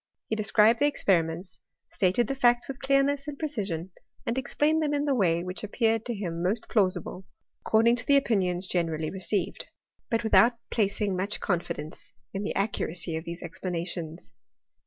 He described the experiments, stated the facts with clearness and pre cision^ and explained them in the way which appeared THSORT IV CREMXSTRT. 2dd ^ turn most plausible, according to the opinions gene* pJly received ; but without placing much confidence ^ toe accuracy of these explanations.